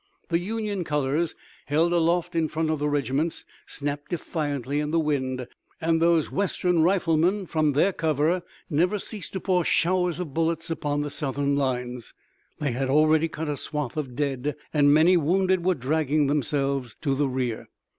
The Union colors, held aloft in front of the regiments, snapped defiantly in the wind. And those western riflemen, from their cover, never ceased to pour showers of bullets upon the Southern lines. They had already cut a swath of dead, and many wounded were dragging themselves to the rear.